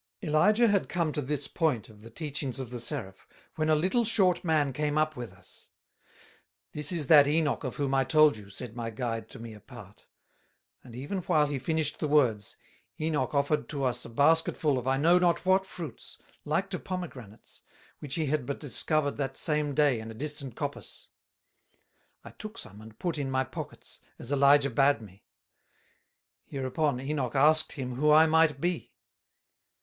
Elijah had come to this point of the teachings of the Seraph, when a little short man came up with us; "This is that Enoch of whom I told you," said my guide to me apart; and even while he finished the words, Enoch offered us a basketful of I know not what fruits, like to Pomegranates, which he had but discovered that same day in a distant coppice. I took some and put in my pockets, as Elijah bade me. Here upon Enoch asked him who I might be.